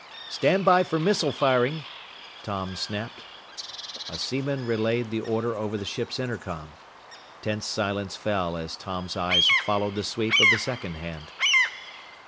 "Stand by for missile firing!" Tom snapped. A seaman relayed the order over the ship's intercom. Tense silence fell as Tom's eyes followed the sweep of the second hand.